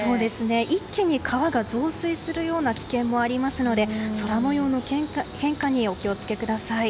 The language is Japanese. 一気に川が増水するような危険もありますので空模様の変化にお気を付けください。